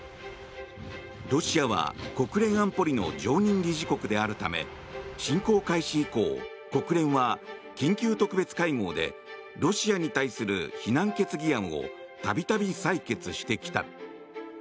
ロシアは、国連安保理の常任理事国であるため侵攻開始以降国連は緊急特別会合でロシアに対する非難決議案を度々、採決してきた。